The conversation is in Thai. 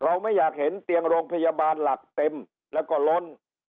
ไม่อยากเห็นเตียงโรงพยาบาลหลักเต็มแล้วก็ล้น